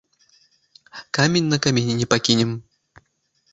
Камень на камені не пакінем!